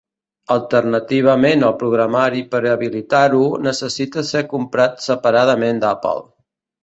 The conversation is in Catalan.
Alternativament, el programari per habilitar-ho necessita ser comprat separadament d'Apple.